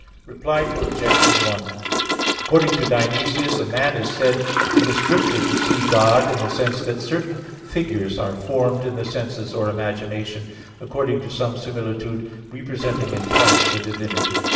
Reply Obj. 1: According to Dionysius (Coel. Hier. iv) a man is said in the Scriptures to see God in the sense that certain figures are formed in the senses or imagination, according to some similitude representing in part the divinity.